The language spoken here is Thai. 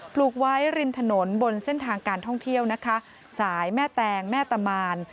ปลูกไว้ริมถนนบนเส้นทางการท่องเที่ยวนะคะสายแม่แตงแม่ตะมาน